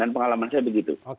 dan pengalaman saya begitu